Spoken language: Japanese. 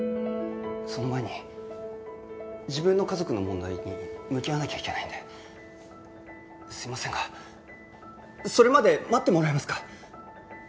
その前に自分の家族の問題に向き合わなきゃいけないんですいませんがそれまで待ってもらえますか？